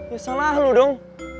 ya salah lo dong